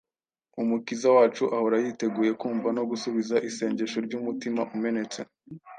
Umukiza wacu ahora yiteguye kumva no gusubiza isengesho ry’umutima umenetse,